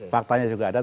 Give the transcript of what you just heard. faktanya juga ada